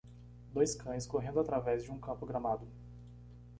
Dois cães correndo através de um campo gramado.